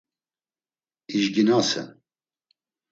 İjginasen.